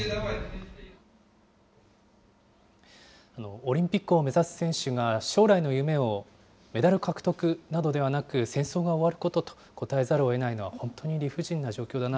オリンピックを目指す選手が、将来の夢をメダル獲得などではなく、戦争が終わることと答えざるをえないのは、本当に理不尽な状況だ